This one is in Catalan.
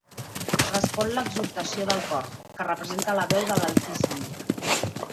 Respon l'exhortació del cor, que representa la veu de l'altíssim.